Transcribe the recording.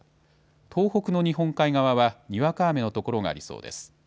東北の日本海側はにわか雨の所がありそうです。